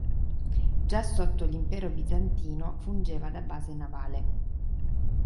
Già sotto l'impero bizantino fungeva da base navale.